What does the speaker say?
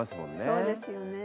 そうですよね。